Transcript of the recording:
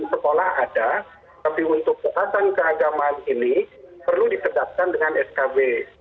sekolah ada tapi untuk ketaatan keagamaan ini perlu diketatkan dengan skb